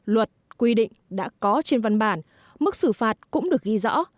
luật quy định đã có trên văn bản mức xử phạt cũng được ghi rõ